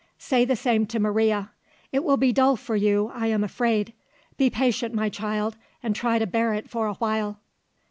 Say the same to Maria. It will be dull for you, I am afraid. Be patient, my child, and try to bear it for a while."